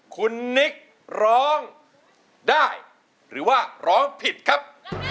คุณนิกร้องได้หรือว่าร้องผิดครับ